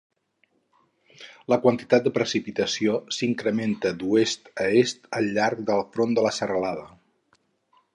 La quantitat de precipitació s'incrementa d'oest a est al llarg del front de la serralada.